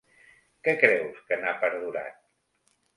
Que creus que n’ha perdurat?